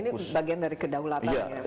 ini bagian dari kedaulatan